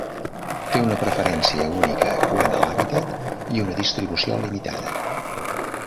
Té una preferència única quant a l'hàbitat i una distribució limitada.